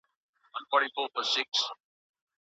حقوقو پوهنځۍ بې دلیله نه تړل کیږي.